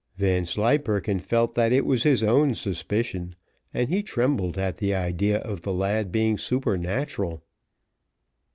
Vanslyperken felt that it was his own suspicion, and he trembled at the idea of the lad being supernatural.